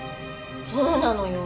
そうなのよ。